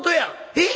「えっ？